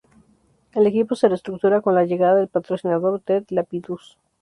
El equipo se reestructura con la llegada del patrocinador "Ted Lapidus".